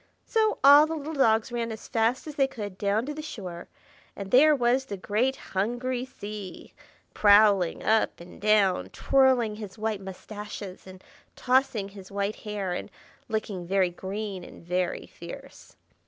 So all the little dogs ran as fast as they could down to the shore; and there was the great hungry Sea, prowling up and down, twirling his white moustaches and tossing his white hair, and looking very green and very fierce.